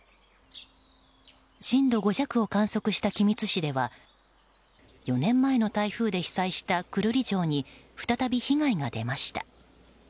震度５弱を観測した君津市では４年前の台風で被災した久留里城に再び被害が出ました。